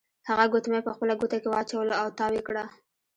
هغه ګوتمۍ په خپله ګوته کې واچوله او تاو یې کړه.